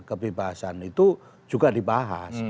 kebebasan itu juga dibahas